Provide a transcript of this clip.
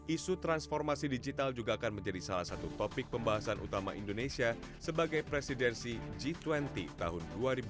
isu transformasi digital juga akan menjadi salah satu topik pembahasan utama indonesia sebagai presidensi g dua puluh tahun dua ribu dua puluh